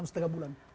enam setengah bulan